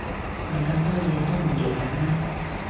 買咁多嘢，都唔極簡啦